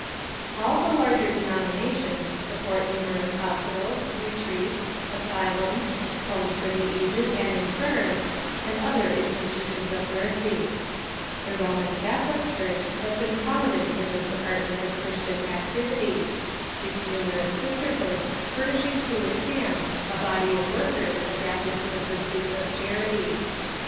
PHILANTHROPY AND CHRISTIAN UNION 605 All the larger denominations su])i)ort numerous hospitals, retreats, asylums, homes for the aged and intirm, and other in stitutions of merc3^ The Roman Catholic Church ^l!^i»^e?^ . has been prominent in this department of Christian and Insane ....... activit}', its numerous sisterhoods furnishing to its hand a body of workers adapted to the pursuits of charity.